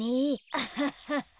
アハハハハ。